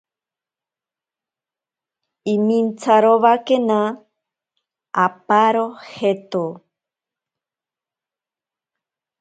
Imintsarowakena aparo jeto.